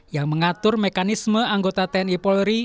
yang mengatur mekanisme anggota tni polri